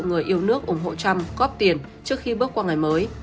góp tiền trước khi bước qua ngày mới